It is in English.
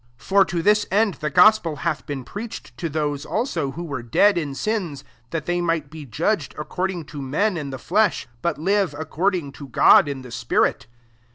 6 For to this end the gospel hath been preached to those also who were dead m «iM,f; that they might be judged ac cording to men in the flesh, but live according to God in the spirit.